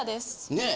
ねえ？